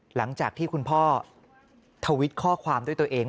หลังจากที่คุณพ่อทวิตข้อความด้วยตัวเอง